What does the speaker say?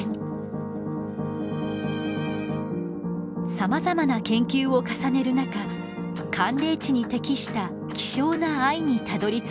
さまざまな研究を重ねる中寒冷地に適した希少な藍にたどりついた。